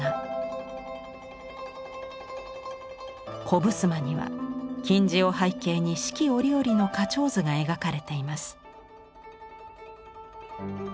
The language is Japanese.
小ぶすまには金地を背景に四季折々の花鳥図が描かれています。